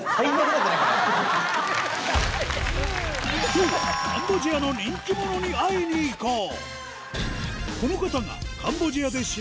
今日はカンボジアの人気者に会いに行こう